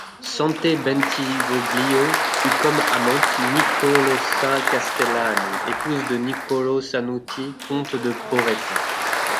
Sante Bentivoglio eut comme amante Nicolosa Castellani, épouse de Nicolò Sanuti comte de Porretta.